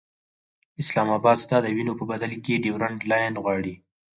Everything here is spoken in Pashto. اسلام اباد ستا د وینو په بدل کې ډیورنډ لاین غواړي.